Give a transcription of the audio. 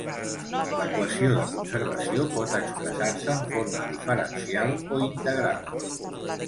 L'equació de conservació pot expressar-se en forma diferencial o integral.